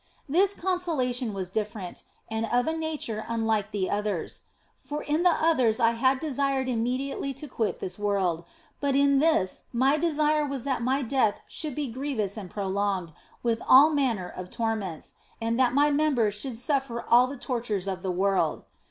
This consolation was different, and of a nature unlike the others. For in the others I had desired immediately to quit this world, but in this my desire was that my death should be grievous and prolonged, with all manner of torments, and that my members should suffer all the tortures of the world.